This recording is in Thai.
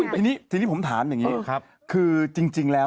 พลิกต๊อกเต็มเสนอหมดเลยพลิกต๊อกเต็มเสนอหมดเลย